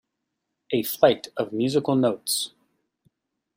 A flight of musical notes.